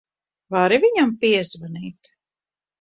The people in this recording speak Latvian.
Vari viņam piezvanīt?